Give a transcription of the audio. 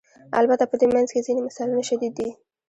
البته په دې منځ کې ځینې مثالونه شدید دي.